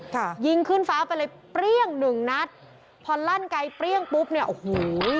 ค่ะยิงขึ้นฟ้าไปเลยเปรี้ยงหนึ่งนัดพอลั่นไกลเปรี้ยงปุ๊บเนี่ยโอ้โห